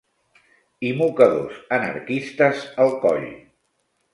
I mocadors anarquistes al coll